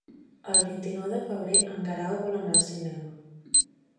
El vint-i-nou de febrer en Guerau vol anar al cinema.